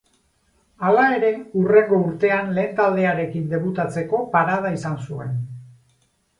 Hala ere, hurrengo urtean lehen taldearekin debutatzeko parada izan zuen.